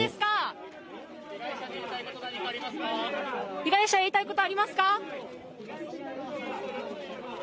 被害者へ言いたいことありますか？